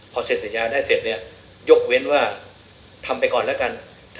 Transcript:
พอเสร็จสัญญาได้เสร็จเนี่ยยกเว้นว่าทำไปก่อนแล้วกัน